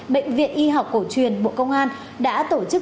bệnh viện y học cổ truyền bộ công an đã tổ chức